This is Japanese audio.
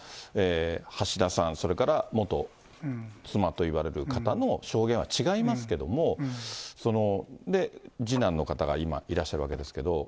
橋田さん、それから元妻といわれる方の証言は違いますけども、次男の方が今、いらっしゃるわけですけれども。